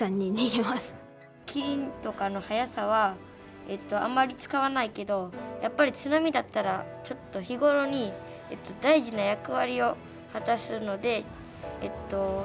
キリンとかの速さはあまり使わないけどやっぱり津波だったらちょっと日頃に大事な役割を果たすので重要だと思いました。